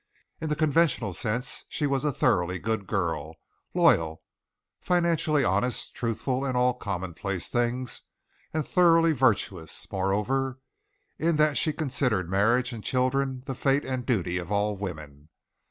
In the conventional sense she was a thoroughly good girl, loyal, financially honest, truthful in all commonplace things, and thoroughly virtuous, moreover, in that she considered marriage and children the fate and duty of all women.